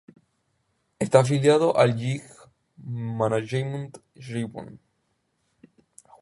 Está afiliado a Gig Management Japan.